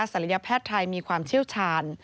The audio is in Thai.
ศัลยแพทย์ไทยมีความเชี่ยวชาญ